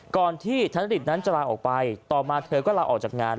ก่อนที่ธนกฤษนั้นจะลาออกไปต่อมาเธอก็ลาออกจากงาน